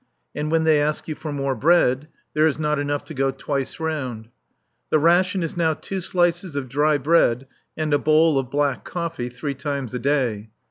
And when they ask you for more bread there is not enough to go twice round. The ration is now two slices of dry bread and a bowl of black coffee three times a day.